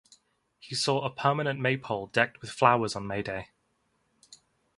He saw a permanent Maypole decked with flowers on May Day.